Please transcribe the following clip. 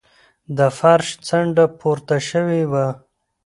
د فرش څنډه پورته شوې وه.